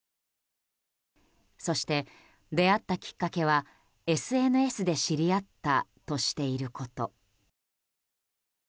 そして、出会ったきっかけはＳＮＳで知り合ったとしていること。